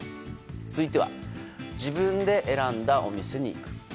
続いては自分で選んだお店に行く。